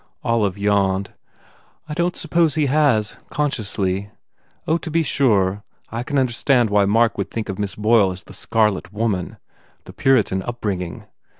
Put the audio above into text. Olive yawned, "I don t suppose that he has, consciously. Oh, to be sure, I can understand why Mark would think of Miss Boyle as the Scar let Woman. The Puritan upbringing.